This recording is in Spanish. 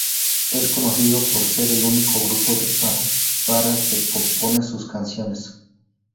Es conocido por ser el único grupo de Para Para que compone sus canciones.